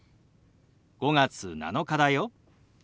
「５月７日だよ」。